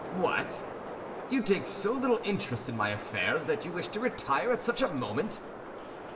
"What! you take so little interest in my affairs that you wish to retire at such a moment!"